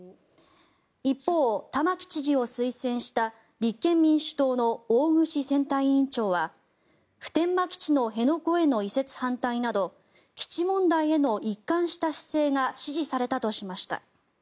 一方、玉城知事を推薦した立憲民主党の大串選対委員長は普天間基地の辺野古への移設反対など基地問題への一貫した姿勢が支持されたとしました。